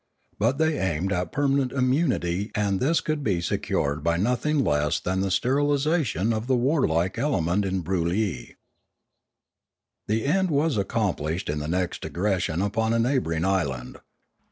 But they aimed at permanent immunity and this could be secured by nothing less than the sterilisation of the warlike element in Broolyi. The end was accomplished in the next aggression upon a neighbouring island.